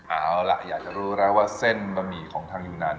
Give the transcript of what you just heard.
เอาล่ะอยากจะรู้แล้วว่าเส้นบะหมี่ของทางยูนาน